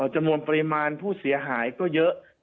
จำนวนปริมาณผู้เสียหายก็เยอะ